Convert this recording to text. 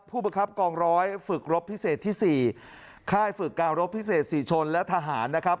ผู้บังคับกองร้อยฝึกรบพิเศษที่๔ค่ายฝึกการรบพิเศษศรีชนและทหารนะครับ